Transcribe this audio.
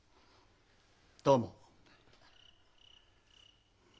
どうも。